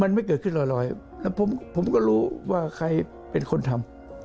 มันไม่เกิดขึ้นร้อยแล้วผมก็รู้ว่าใครเป็นคนทำ